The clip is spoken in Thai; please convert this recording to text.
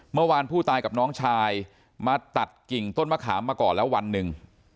เมื่อวานผู้ตายกับน้องชายมาตัดกิ่งต้นมะขามมาก่อนแล้ววันหนึ่ง